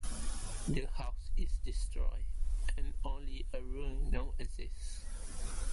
The house is destroyed, and only a ruin now exists.